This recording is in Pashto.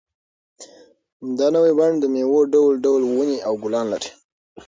دا نوی بڼ د مېوو ډول ډول ونې او ګلان لري.